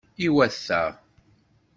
Iwata!